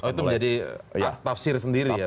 itu menjadi tafsir sendiri ya